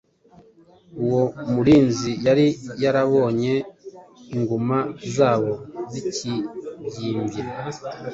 uwo murinzi yari yarabonye inguma zabo zikibyimbye